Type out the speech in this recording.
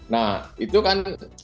nah itu kan